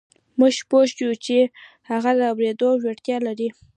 موږ پوه شوو چې هغه د اورېدو وړتيا لري.